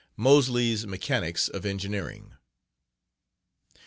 *Moseley's Mechanics of Engineering.